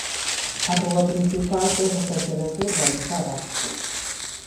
A rúa principal foi recentemente urbanizada.